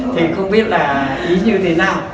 thì không biết là ý như thế nào